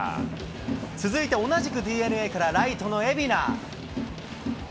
続いて同じくＤｅＮＡからライトの蝦名。